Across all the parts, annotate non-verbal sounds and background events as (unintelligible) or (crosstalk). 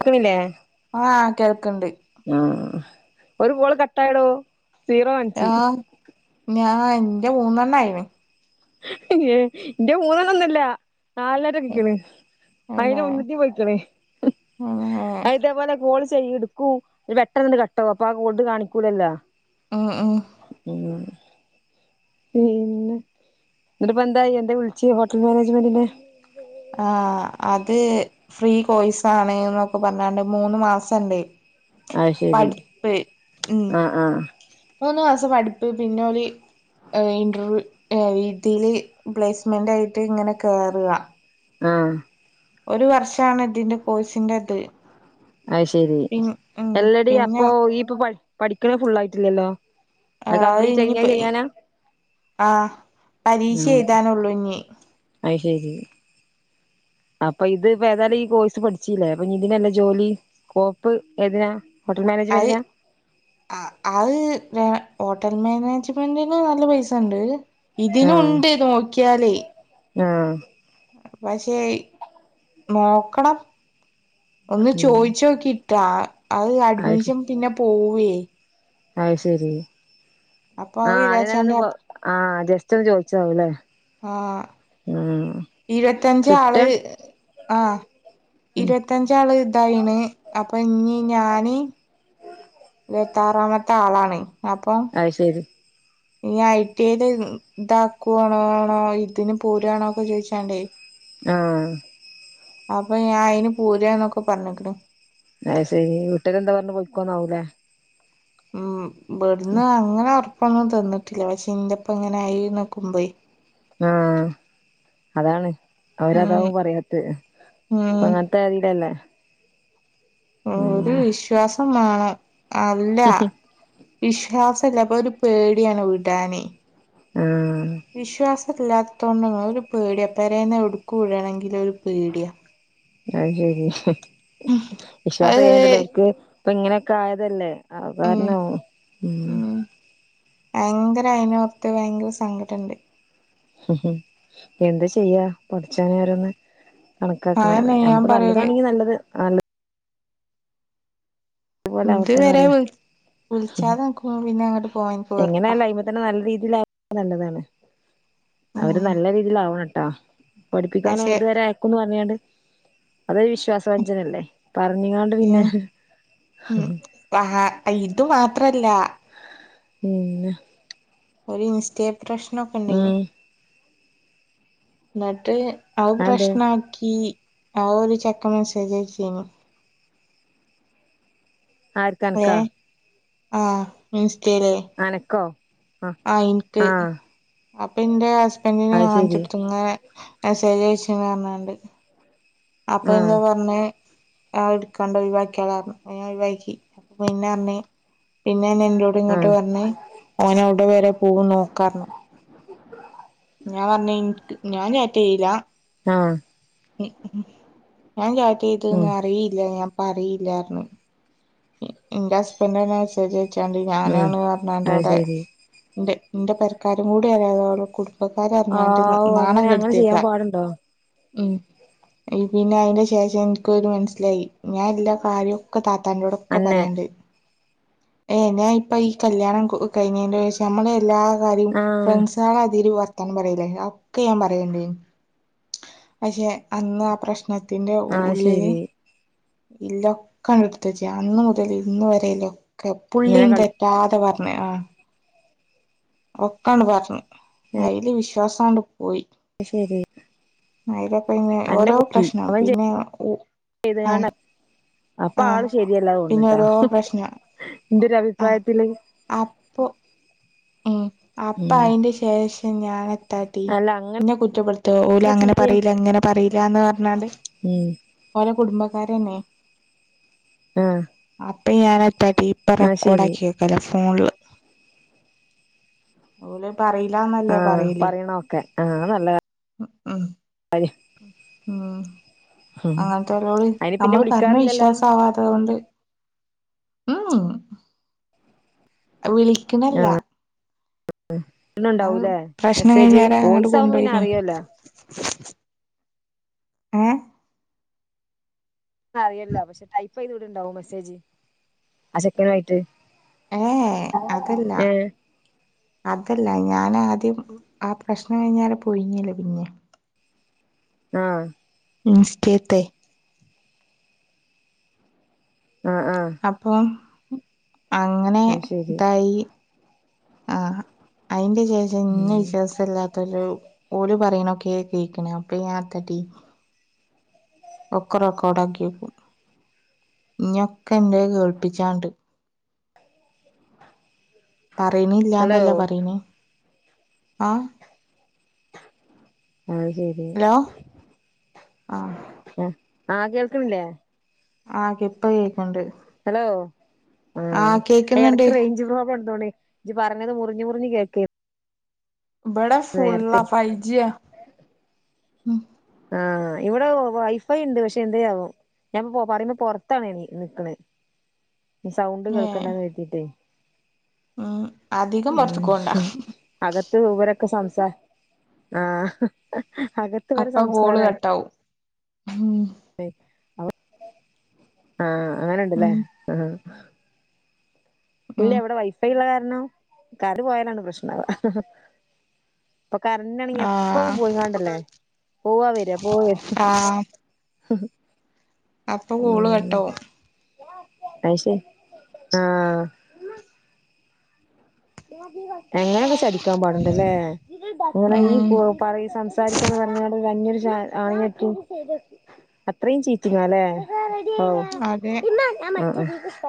കെക്ക്ണ്ല്ലേ ആഹ് കേൾക്ക്ണ്ട് ഉം ഒരു കോള് കട്ടായെടോ സീറോ കാണിച്ച് ആഹ് ഞാ ൻ്റെ മൂന്നെണ്ണ ആയിണ് ന്റെ മൂന്നണ്ണൊന്നൊല്ല ന്നാലണ്ണെറ്റെരിക്ക്ണ് അയ്ൻ്റ അന്നെ മുന്നത്തി പോയ്ക്ക്ണ് അത് ഇതേപോലെ കോള് ചെയ് ഇട്ക്കൂ ന്നട്ട് പെട്ടൊന്ന് ണ്ട് കട്ടാഉം അപ്പൊ ആഹ് കോൾ കാണിക്കൂലല്ലോ ഉം ഉം ഉം പിന്നെ ന്നട്ട്പ്പെന്തായി അന്റെ വിളിച്ചി ഹോട്ടൽ മേനേജ്മെന്റിൻ്റെ ആഹ് അത് ഫ്രീ കോഴ്സാണ് ന്നൊക്കെ പർഞ്ഞാണ്ട് മൂന്ന് മാസണ്ടയ് അത് ശെരി പഠിപ്പ് മഉം ആഹ് ആഹ് മൂന്ന് മാസം പഠിപ്പ് പിന്നോല് ഏഹ് ഇന്റർവ്യൂ ഏഹ് ഇതില് പ്ലേസ്മെന്റായിട്ട് ഇങ്ങനെ കെറ ആഹ് ഒര് വർഷാണ് ഇതിന്റെ കോഴ്സിന്റ ത് അത് ശെരി എല്ലടീ പിന്നെ അപ്പൊ ഇയ്യ്പ്പൊ പഠി പഠിക്ക്ണെ ഫുള്ളായിട്ടില്ലല്ലോ അത് ആഹ് കംപ്ലീറ്റ് കഴിഞ്ഞാ ഇഞിപ്പഇ ചെയ്യാനാ ആഹ് പരീക്ഷ എഴുതാനൊള്ളൂ ഇഞി അയ് ശെരി അപ്പ ഇത് ഇപ്പ ഏതാലും ഈ കോഴ്സ് പഠിച്ചീലേ അപ്പ ഞി ഇതിനല്ലെ ജോലി സ്കോപ്പ് ഏതിനാ ഹോട്ടൽ മാനേജ്മെന്റിനാ? ആഹ് വെ ഹോട്ടൽ മാനേജ്മെന്റിന് ന്നല്ല പൈസ ണ്ട് ആഹ് ഇതിനുണ്ട് ന്നോക്കിയാല് ആഹ് പക്ഷേയ് ന്നോക്കണം ഒന്ന് ഉം ചോയ്ച്ചോക്കിറ്റ് ട്ടാണ് അത് അത് അഡ്മിഷം പിന്നെ പോഉഏയ് അത് ശരി അപ്പൊ അത് ആഹ് അതേ വിചാരിച്ചാണ്ട് ഞാനൊന്ന് പ അപ്- ആഹ് ജസ്റ്റ് ഒന്ന് ചോയ്ച്ചാവ് ലേ ആഹ് ഇരുവത്തഞ്ചാള് കിട്ടാൻ ആഹ് ഇരുവത് ഉം ഇരുവത്തഞ്ചാള് ഇതായീണ് അപ്പ ഞി ഞാന് ഇരുവത്താറാമത്താളാണ് അപ്പൊ അയ് ശെരി ഞി ഐ ടി എയ് ല് ഇതാക്കുണോ ണോ ഇതിന് പോര്ആണോ ഒക്കെ ചോയ്ച്ചാണ്ടേയ് ആഹ് അപ്പ ഞാൻ അയിന് പോര്ആഹ് ന്നൊക്കെ പറഞ്ക്ക്ണ് അത് ശെരി വീട്ടാര് എന്താ പർഞ്ഞെ പോയ്കോ ന്നാഉലേ ഉം ഇബട്ന്ന്. അങ്ങനെ. ഒറപ്പൊന്നും തിന്ന്ട്ടില്ല. പഷെ ഇന്റെപ്പ ങ്ങനെ ആയി ന്നികുബേയ്. ആഹ്. അതാണ് ഉം അവരതാവും. പറയാത്ത്. ഉം പ്പങ്ങനെ തെരണ്ടല്ലേ. ഓരു വിശ്വാസമ്മാണം. അല്ല.. വിശ്വാസല്ല. പ്പൊ. ഒരു പേടിയാണ്. വിടാനയ്.. ഉം വിശ്വാസഇല്ലാത്തതോണ്ടോന്നല്ല. ഒരു പേടിയ. പേരെന്ന്. എവുട്ക്ക് വിടണെങ്കിലും. ഒരു പേടിയാ. അഹ്ശരി. ഹ്. അത് വിശ്വാസയ്യഞ്ഞിട്ടല്ല. ഓല്ക്ക് ഇപ്പൊ. ഇങ്ങനെയൊക്കെ. ആയതല്ലേ.. ആഹ് ഉം കാരണവും ഉം ഭയങ്കര അയിനോർത്ത്. ഭയങ്കര സങ്കടണ്ട്.. എന്ത ചെയ്യാ. പടചോനോരൊന്ന്.. അതന്നെ കണക്കാക്ക്ണല്ലേ. ഞാൻ നമക്ക്. പറയല് നല്ലതാണെങ്കി. നല്ലത്. വാണ്ടേ നല്ലതുപോലെ ഇതു ആവട്ടെന്ന് വരെ പറയാ വി വിൽച്ചാതെ നിക്ക്ബോ പിന്നങ്ങട്ട് പോവാൻ വെറുപ്പാ എങ്ങനായാലയ് മ്മെ തന്നെ നല്ല രീതിയിലാ നല്ലതാണ്. അവര് ഉം നല്ല രീതിയിലാവണട്ട. പഠിപ്പിക്കാന് പക്ഷെ അത് വരെ അയകുന്ന് പർഞ്ഞിങ്ങാണ്ട് അതൊരു വിശ്വാസവഞ്ചനല്ലേ. പർഞ്ഞിങ്ങാണ്ട് പിന്നെ ഹ് ഹ് ആഹ ഇതു മാത്രല്ല. പിന്നെ ഒരിൻസ്റ്റേ പ്രശ്നൊക്കെണ്ടായ്നി ഉം ന്നട്ട് അത് അതെന്തേ പ്രശ്നാക്കി ആ ഒര് ചെക്കൻ മെസ്സേജയ്ചീനി ആര് ഏഹ് ആഹ് ഇൻസ്‌റ്റേലെ അനക്കോ ആഹ് ഇൻക്ക് ആഹ് അപ്പൊ ഇന്റെ ഹസ്ബൻഡ്ന് അത് ശരി കാണ്ചോട്ത്ത് ങ്ങനെ മെസ്സേജയച്ച്ന്നർഞ്ഞാണ്ട് അപ്പൊ ആഹ് ഇന്നോടർഞ്ഞ് ആ ട്ക്കാണ്ട ഒഴിവാക്ക്യാളർഞ്ഞ് അങ്ങനെ ഒഴിവാക്കി അപ്പ പിന്നർഞ്ഞ് പിന്നയ്നെൻ്റൊട് ഇങ്ങട്ട് ആഹ് പർഞ്ഞ് ഓനെവ്ടെ വരെ പോവുനോകാർഞ്ഞ്. (inaudible) ഞാ പർഞ്ഞ് ഇൻക്ക് ഞാൻ ചാറ്റെയ്യൂല ആഹ് നി ഞാൻ ഉം ചാറ്റെയ്‌തൊന്നറിയില്ല (unintelligible) പറില്ലാർഞ്ഞു ഇന്റെ ഹസ്ബൻഡ് (unintelligible) മെസേജയ്ച്ചാണ്ട് ഉം ഞാനാണ് പർഞ്ഞാണ്ട് അത് വടെ ശരി ഇന്റെ ഇന്റെ പെര്ക്കാരും കൂടി (unintelligible) കുടുംബക്കാര്വർഞ്ഞാണ്ട് ന നാണം കെട്ത്ത്യെക്ക അടണ്ടോ. ഉം ഇൻ പിന്നെ അയ്ന്റെ ശേഷം ഇൻക്കൊരെ മൻസ്സിലായി ഞാ എല്ലാ കാര്യു ക്കെ താത്താൻ്റൊടൊക്കെ അന്നെ പറ്യേണ്ട്. എഹ് ഞാ ഇപ്പ ഈ കല്യാണം കൊ കഴിഞ്ഞേന്റെഷം നമ്മളെല്ലാ കാര്യം ആഹ് ഫ്രണ്ട്സ് ങ്ങാളാതിരി വർത്താനം പറ്യേലേനി അതൊക്കെ ഞാൻ പറയേണ്ടേനി പക്ഷേ അന്ന് ആ പ്രശ്നത്തിന്റെ ആഹ് ഉള്ളില് ശരി ഇല്ലൊക്കണ്ട് ഇട്ത്തെച്ച് അന്ന് മുതൽ ഇന്ന് വെരെലൊക്കെ ഇങ്ങനെ പുള്ളിം തെ കളി റ്റാതെ പർഞ്ഞ്. ആഹ് ഒക്കണ്ട് പർഞ്ഞ് അയ്ല് വിശ്വാസാണ്ട് പോയി. അയ് ശെര്യാ അയ്ലെക്കയ്ഞ്ഞ് ഓരോ കുക്കി പ്രശ്നം അവൻ പിന്നെ ഉ ആഹ് അപ്പാള് ശരിയല്ലാ തോന്ന്ണ് ട്ടാ ഓരോ പ്രശ്നം ഇൻൻ്റൊരഭിപ്രായത്തില്. അപ്പ് ഉം ഉം അപ്പയ്ന്റെ ശേഷം ഞാനെത്താട്ടീ അല്ല അങ്ങനെ ഇന്നെകുറ്റപ്പെട്ത്ത ഓലങ്ങനെ ചീറ്റ് ചെയ്യും പറീല ഇങ്ങനെ പറീലാന്ന് പർഞ്ഞാണ്ട് ഉം ഒലെ കുടുംബക്കാരന്നെ ആഹ് അപ്പ ഞാനെത്താട്ടി ഇപ്പ ആഹ് ശരി റെക്കോഡാക്ക്യക്കല ഫോണില് ഓലത് പറീലാന്നല്ലേ ആഹ് പറ്യല് പറയണൊക്കെ ഉം ആ (unintelligible) ഉം അങ്ങൻത്തോലോട് അയിന് പിന്നെ നമ്മള് പർഞ്ഞ് വിളിക്കാറില്ലല്ലോ വിശ്വാസാവാത്തോലോണ്ട് ഉം ആഹ് വിളി ആഹ് (unintelligible) അത് പ്രശ്നം കഴിഞ്ഞാരെ അങ്ങട്ട് ആവുമ്പോ പിന്നെ കൊണ്ടോയിനീ. അറിയല്ലോ ഏഹ് അറയില്ല പക്ഷെ ടൈപ്പ് ചെയ്ത് വ്ട്ണ്ടാവും മെസ്സേജ് ആ ചെക്കന്ആയിട്ട് ഏഹ് അതല്ല അതല്ല ഞാനാആദ്യം ആ പ്രശ്നം കഴിഞ്ഞാരെ പോയിനിയല്ലോ പിന്നെ ആഹ് ഉം സ്റ്റേത്തെ ആഹ് ആഹ് അപ്പൊ അങ്ങനെ അത് ശരി ഇതായി ആഹ് അതിന്റെ ശേഷം ഇന്നെ ഉം വിശ്വാസമല്ലാത്തൊരു ഓല് പറയണോ കേക്കണ് അപ്പ ഞാൻ എത്താട്ടി ഒക്കെ റെക്കോർഡ ആക്കി വക്കും ഇഞ്ഞ് ഒക്കെ എന്ത കേൾപ്പിച്ചാണ്ട് ഹലോ പറയാനില്ലാന്നല്ലേ പറ്ണ് ആഹ് അഅ്ശരി ഹലോ ആഹ് ആ ആഹ് കേൾക്കണില്ലേ ആഹ് ഇപ്പ കേക്ക്ണ്ട് ഹലോ ആഹ് എടക്ക് റെയിഞ്ച് പ്രോബളം ഉണ്ടാണ് ജ് പറഞ്ഞത് മുറിഞ് മുറിഞ് കേൾക്ക ബടെ ഫുല്ല ഫൈവ് ജിയാ ഉം ആഹ് ഇവിടെ വൈഫൈ ഉണ്ട് പക്ഷെ എന്തെയവു ഞാൻ പറയുമ്പ പുറത്താണ് നിക്കണ് സൗണ്ട് ഏ കേൾക്കണ്ടന്ന് കരുതീറ്റെ ഉം അധികം ഉം പുറത്തക്ക് പോണ്ട അകത്ത് ഇവരക്കെ സംസാ ആഹ് ഇവരെ അപ്പ കോള് സംസാരാണ് കട്ടാവും ഉം ആഹ് അങ്ങനെണ്ടല്ലേ ഉം ആ ഇല്ല ഉം എവിടെ വൈഫൈ ഉള്ള കാരണം കരണ്ട് പോയാലാണ് പ്രശ്നവാ ഇപ്പൊ കരണ്ട്‌നാണെങ്കി ആ എപ്പോളും പോയിങ്ങാണ്ടല്ലേ പോവാ വെരാ പോവ വെരാ ആ ആ അപ്പൊ കോള് കട്ടാവും അഅ് ശരി ആഹ് എങ്ങനെ ഇപ്പ ചതിക്കാൻ പാടുണ്ടല്ലേ ഉണങ്ങി ഉം പോക് പറയ് സംസാരിക്കാന്ന് പറഞ്ഞടു അന്യരു ജാ ആണ് നത്തും (unintelligible) അത്രയും ചീറ്റിങ്ങല്ലേ അതെ ആഹ് ആഹ്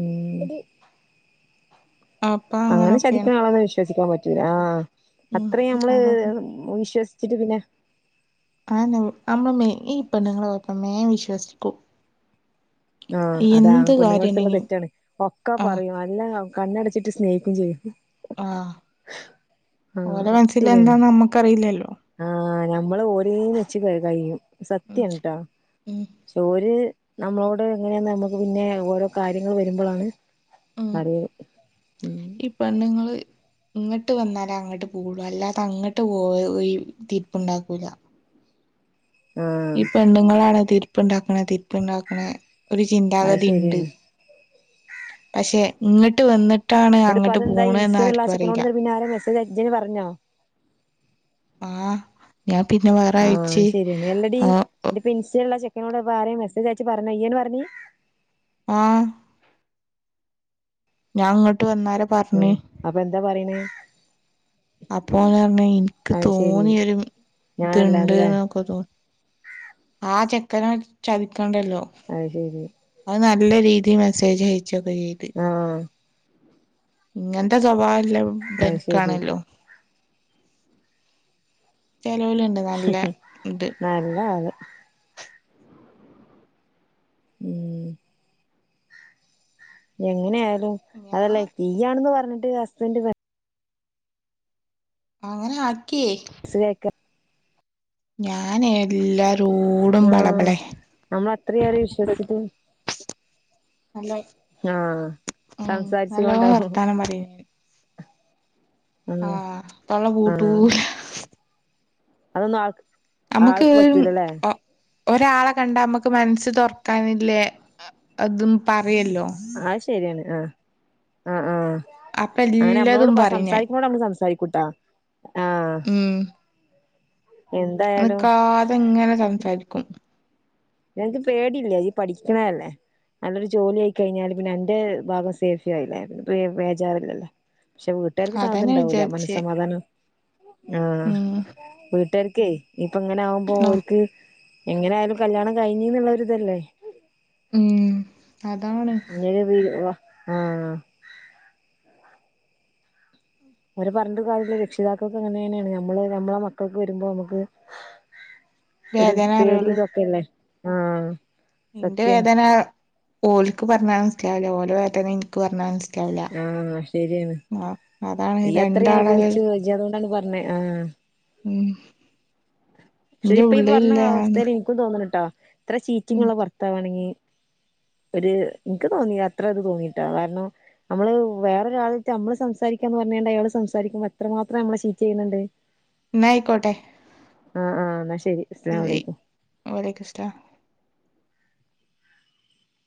ഉം അപ്പൊ അങ്ങനെ അങ്ങനൊക്കെയാണ് ചതിക്ന ആളൊന്നും വിശ്വസിക്കാൻ പറ്റ റ്റുല്ല ആഹ് ഉം അത്രയും നമ്മള് അപ്പൊ വിശ്വസിച്ചിട്ട് പിന്നെ ആന്നെ അമ്മള് ഈപെണ്ണ്ങ്ങളെ കൊയപ്പം മ്മേ വിശ്വസിക്കും ആഹ് അതാ എന്ത് പെണ്ണുങ്ങട്ത്തുള്ള കാര്യണ്ടെങ്കിലും തെറ്റാണ് ഒക്കെ ആ പറയും നല്ല കണ്ണടച്ചിട്ട് സ്നേഹിക്കും ചെയ്യും ആഹ് ഓല ആഹ് മനസ്സില് ശരിയാണ് എന്താന്ന് നമ്മുക്കറില്ല ആഹ് ഞമ്മള് ഓല് വെച്ച് കഴിയും ഉം സത്യാണ് ട്ടോ ഉം പക്ഷേ ഓര് നമ്മളോട് എങ്ങനെയ നമ്മുക്ക് പിന്നെ ഓരോ കാര്യങ്ങൾ വരുമ്പോഴാണ് ഉം അറിയല് ഉം പെണ്ണുങ്ങള് ഇങ്ങോട്ട് വന്നാലേ അങ്ങോട്ട് പോക് ള്ളൂ അല്ലാതെ അങ്ങോട്ട് പോ തീർപ്പുണ്ടാക്കൂല്ല ആഹ് ഈ പെണ്ണുങ്ങളാണ് തീർപ്പുണ്ടാക്ക് ണേ തീർപ്പുണ്ടാക്ക്ണേ ഒരു അത് ചിന്താഗതി ഇണ്ട് ശരിയാണ് പക്ഷെ ഇങ്ങട്ട് വന്നിട്ടാണ് എന്നിട്ട്പ്പ അങ്ങോട്ട് പോണന്ന് ആർക്കും അറിയില്ല അല്ല ഇജ്ജെന്നെ പറഞ്ഞോ ആഹ് ഞാൻ പിന്നെ വേറെഴ്ച്ച് ആഹ് പിൻസയുള്ള ചെക്കനോട്പ്പ ആരാ ഈ മെസേജ് അയച്ച പറഞ്ഞെയ്യാണ് പറഞ്ഞി ആഹ്‌ ഞാങ്ങട്ട് വന്നാരെ പറഞ്ഞ് ഉം അപ്പൊന്താ പറിണ് അപ്പോന്നർഞ്. ഇൻക്ക് ശരി തോന്നിയരു ത്ണ്ട് ഞാനല്ലാന്ന്ല്ലേ ന്നൊക്കെ തോന്നി ആ ചെക്കന ചതിക്കണ്ടല്ലോ അഹ്‌ ശരി അഹ്‌ നല്ല രീതി മെസ്സേജ് അയച്ചൊക്കെ ചെയ്ത് ആഹ് ഇങ്ങൻത്തെ സ്വഭാവല്ല അത് ശരി ബെൻക്കാണല്ലോ ചെലോല്ണ്ട് നല്ല ഇത് നല്ലാത് ഉം എങ്ങനെ ആയാലും ഞാൻ അതല്ലേ തീ ആണെന്ന് പറഞ്ഞിട്ട് ഹസ്ബൻട് ങ്ങനെ അങ്ങനാക്യേ സിലായ്ക്ക ഞാനെല്ലാരോടും ബളബളേ നമ്മളത്രിഏറെ വിശ്വസിച്ചിട്ടും നല്ല ആഹ്‌ ഉം നല്ലോ സംസാരിച്ചുകൊണ്ടാവും വർത്താനം ആഹ്‌ തൊള്ള പൂട്ടൂല അതൊന്നാൾക്ക്‌ നമ്മക്ക് ഒരാളെ കണ്ടമ്മക്ക് മൻസ്സ് തൊർക്കാനില്ലേ അതും പറ്യല്ലോ അഹ് ശര്യാണ് ആഹ്‌ അങ്ങനെ അപ്പല്ലതും നമ്മളോട് പറിം ഞാൻ സംസാരിക്കുമ്പോട് നമ്മള് സംസാരിക്കൂട്ടാ ആഹ് ഉം എന്തായാലും നിക്കാതെങ്ങനെ സംസാരിക്കും ന്നൻക്ക് പേടില്ല യ്യ് പഠിക്കണല്ലേ നല്ലൊരു ജോലി ആയി കഴിഞ്ഞാല് പിന്നെ എന്റെ ഭാഗം സേഫി ആയിലെ. പിന്നെപ്പ്‌ ബേജാറില്ലല്ലേ പക്ഷെ വീട്ടുകാർക്ക് അതാ ഞാൻ സാധനംണ്ടാവൂല വിചാരിച്ചേ മനസ്സമാധാനം ആഹ് ഉം വീട്ടുകർക്കേ ന്നിപ്പങ്ങനെ ആകുമ്പോ ഓൽക്ക് എങ്ങനായാലും കല്യാണം കയ്ഞ്ഞ്ന്ന്ള്ളൊരിതല്ലേ ഉം അതാണ് (unintelligible) ആഹ് അവരെ പറഞ്ഞിട്ട് കാര്യല്ല. രക്ഷിതാക്കക്ക് അങ്ങനേണ്. ഞമ്മള് ഞമ്മളെ മക്കക്ക് വരുമ്പോ ഞമ്മക്ക് ഒരു വേദന അറിയുള്ളൂ പേടിതൊക്കെല്ലേ ആഹ്‌ ഇന്റെ വേദന ഓൽക്ക് പർഞ്ഞാ മൻസ്സിലാവൂല്ല. ഓല വേദന ഇൻ ക്ക്‌ പർഞ്ഞാ മൻസ്സിലാവൂല ആഹ് ശരിയാണ് ആഹ്‌ അതാണ് ഇയ്യ് അത്രയും രണ്ടാളെ അനുഭവിച്ചു ഇജ്ജ് അതുകൊണ്ടാണ് പറഞ്ഞേ ആഹ് ഉം ന്റെ ഉള്ളിൽല്ലാണ്. ക്കും തോന്ന്ണ്ട്ട്ടോ ത്രചീറ്റിങ്ള്ള ഭർത്താവാണെങ്ങി ഒര് ഇൻക്ക് തോന്നി അത്ര ഇത് തോന്നിട്ടാ കാരണം ന്നമ്മള് വേറൊരു ആളേറ്റ് അമ്മള് സംസാരിക്കാന്ന് പർഞാണ്ട് അയാള് സംസാരിക്കുമ്പൊ എത്രമാത്രം ന്നമ്മളെ ചീറ്റ് ചെയ്യുന്നുണ്ട്. ന്നായ്ക്കോട്ടെ. ആഹ്, ആഹ് ന്നാ ശെരി. ശരി വാലയ്ക്കുസ്ലാം.